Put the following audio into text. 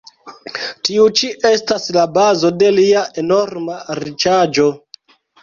Tiu ĉi estas la bazo de lia enorma riĉaĵo.